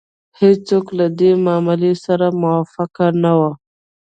هېڅوک له دې معاملې سره موافق نه وو.